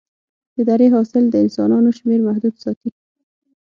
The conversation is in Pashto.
د درې حاصل د انسانانو شمېر محدود ساتي.